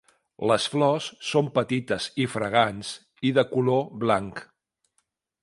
Les flors són petites i fragants i de color blanc.